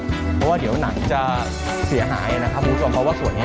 เพราะว่าเดี๋ยวฝนจะเสียหายนะครับผู้ชม